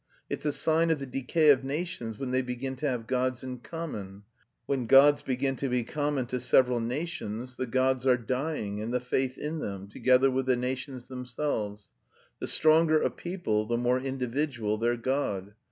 It's a sign of the decay of nations when they begin to have gods in common. When gods begin to be common to several nations the gods are dying and the faith in them, together with the nations themselves. The stronger a people the more individual their God.